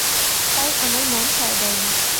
তাই আমার মন সায় দেয়নি।